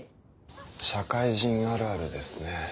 社会人あるあるですね。